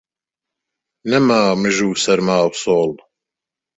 نەما مژ و سەرما و سۆڵ